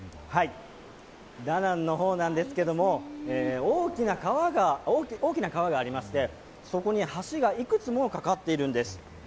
ダナンの方なんですけれども、大きな川がありましてそこに橋がいくつもかかっているんです。